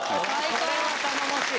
それは頼もしい！